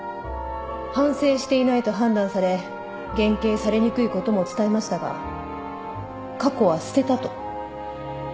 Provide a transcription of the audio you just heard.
反省していないと判断され減刑されにくいことも伝えましたが過去は捨てたと。